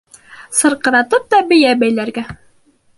Сырҡыратып та бейә бәйләргә.